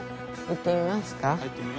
行ってみますか。